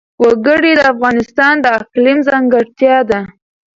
وګړي د افغانستان د اقلیم ځانګړتیا ده.